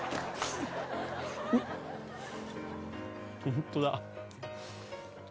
本当だ。